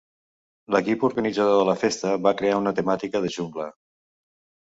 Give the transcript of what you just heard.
L'equip organitzador de la festa va crear una temàtica de "jungla".